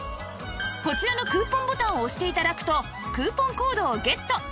こちらのクーポンボタンを押して頂くとクーポンコードをゲット